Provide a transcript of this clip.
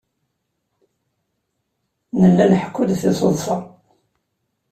Nella nḥekku-d tiseḍsa.